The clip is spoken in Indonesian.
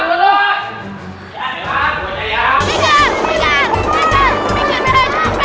haikal berhenti haikal